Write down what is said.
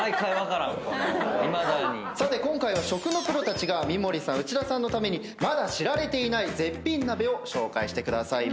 さて今回は食のプロたちが三森さん内田さんのためにまだ知られていない絶品鍋を紹介してくださいます。